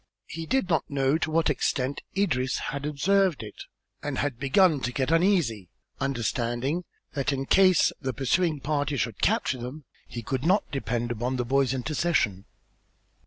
He did not know to what extent Idris had observed it and had begun to get uneasy, understanding that, in case the pursuing party should capture them, he could not depend upon the boy's intercession.